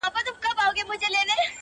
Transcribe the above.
له څه مودې راهيسي داسـي يـمـه.